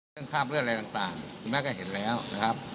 คราบเลือดอะไรต่างคุณแม่ก็เห็นแล้วนะครับ